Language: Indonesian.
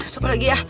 sampai lagi ya